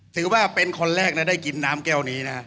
ถือว่าเป็นคนแรกนะได้กินน้ำแก้วนี้นะ